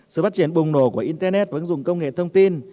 sự phát triển bùng nổ của internet và ứng dụng công nghệ thông tin